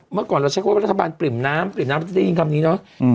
เมื่อก่อนเราใช้คำว่ารัฐบาลปริ่มน้ำปริ่มน้ำจะได้ยินคำนี้เนอะ